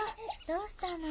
どうしたの？